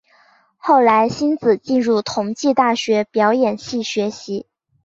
后来馨子进入同济大学表演系学习。